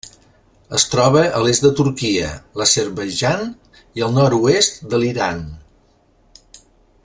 Es troba a l'est de Turquia, l'Azerbaidjan i al nord-oest de l'Iran.